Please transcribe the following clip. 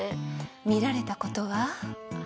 見られたことは？